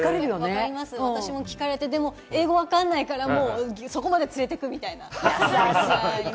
分かります、私も聞かれて、でも英語わからないからそこまで連れて行くみたいな。